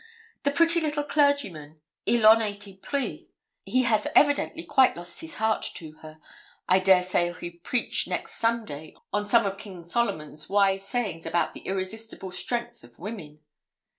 The pretty little clergyman il en est épris he has evidently quite lost his heart to her. I dare say he'll preach next Sunday on some of King Solomon's wise sayings about the irresistible strength of women.'